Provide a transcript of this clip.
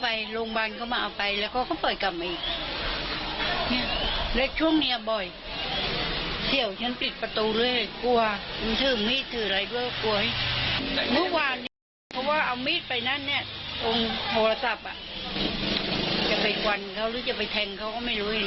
เพราะว่าเอามีดไปนั่นนี่โทรศัพท์จะไปกวนเขาหรือจะไปแทงเขาก็ไม่รู้อีก